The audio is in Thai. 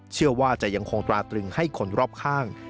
เชื่อว่าจะยังคงตราตรึงให้คนรอบข้าง